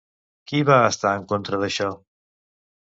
Qui va estar en contra d'això?